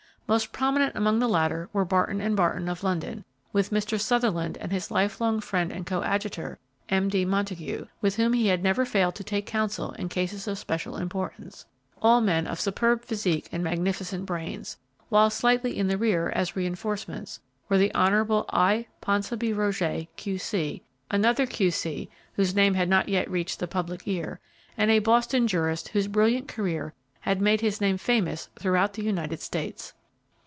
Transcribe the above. Most prominent among the latter were Barton & Barton, of London, with Mr. Sutherland and his life long friend and coadjutor, M. D. Montague, with whom he had never failed to take counsel in cases of special importance, all men of superb physique and magnificent brains; while slightly in the rear, as reinforcements, were the Hon. I. Ponsonby Roget, Q.C., another Q.C. whose name had not yet reached the public ear, and a Boston jurist whose brilliant career had made his name famous throughout the United States.